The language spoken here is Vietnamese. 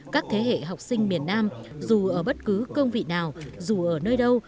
các thế hệ học sinh miền nam dù ở bất cứ công vị nào dù ở nơi đâu